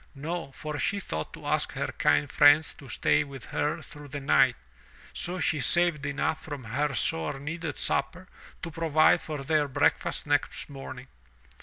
No, for she thought to ask her kind friends to stay with her through the night, so she saved enough from her sore needed supper to provide for their breakfast next morning.